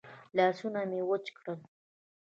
لاسونه مې وچ کړل.